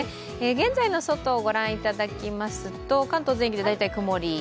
現在の外を御覧いただきますと、関東全域で大体曇り。